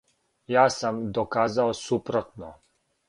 Ја сам доказао супротно.